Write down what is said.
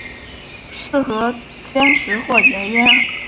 适合煎食或盐腌。